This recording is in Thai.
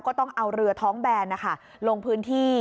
ก็ต้องเอาเรือท้องแบนนะคะลงพื้นที่